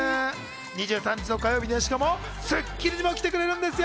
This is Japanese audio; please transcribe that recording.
２３日の火曜日には『スッキリ』にも来てくれるんですよ。